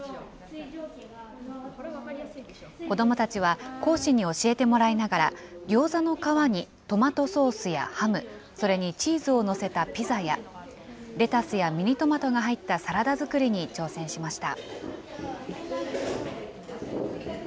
子どもたちは講師に教えてもらいながら、ギョーザの皮にトマトソースやハム、それにチーズを載せたピザや、レタスやミニトマトが入ったサラダ作りに挑戦しました。